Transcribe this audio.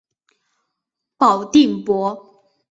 保定伯。